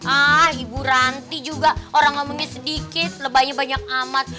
ah ibu ranti juga orang ngomongnya sedikit lebahnya banyak amat